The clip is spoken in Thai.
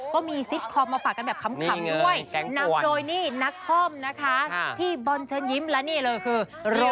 ซิตคอมมาฝากกันแบบขำด้วยนำโดยนี่นักคอมนะคะพี่บอลเชิญยิ้มและนี่เลยคือ